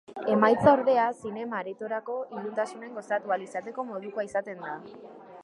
Emaitza, ordea, zinema aretoetako iluntasunean gozatu ahal izateko modukoa izaten da.